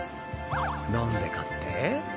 なんでかって？